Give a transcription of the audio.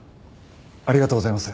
ありがとうございます。